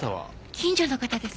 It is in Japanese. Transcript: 近所の方です。